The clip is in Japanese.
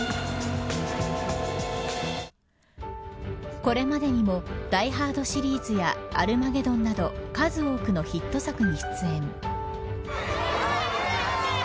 これまでにもダイ・ハードシリーズやアルマゲドンなど数多くのヒット作に出演。